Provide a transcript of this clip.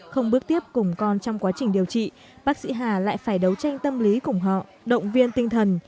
không bước tiếp cùng con trong quá trình điều trị bác sĩ hà lại phải đấu tranh tâm lý cùng họ động viên tinh thần